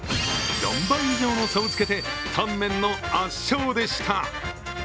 ４倍以上の差をつけてタンメンの圧勝でした。